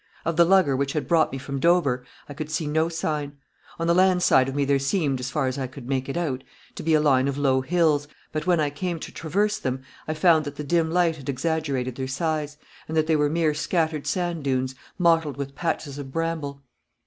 Of the lugger which had brought me from Dover I could see no sign. On the land side of me there seemed, as far as I could make it out, to be a line of low hills, but when I came to traverse them I found that the dim light had exaggerated their size, and that they were mere scattered sand dunes, mottled with patches of bramble.